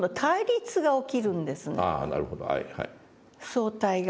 相対が。